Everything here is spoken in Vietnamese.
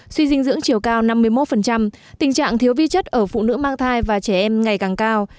suy dinh dưỡng chiều cao năm mươi một tình trạng thiếu vi chất ở phụ nữ mang thai và trẻ em ngày càng cao